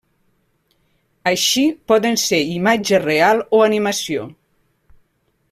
Així poden ser imatge real o animació.